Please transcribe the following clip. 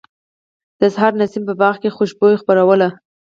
د سحر نسیم په باغ کې خوشبو خپروله.